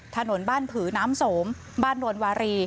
ถนนบ้านผือน้ำสมบ้านนวลวารี